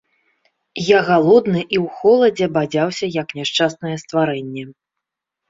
Я галодны і ў холадзе бадзяўся, як няшчаснае стварэнне.